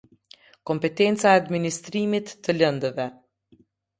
Kompetenca e administrimit të lëndëve.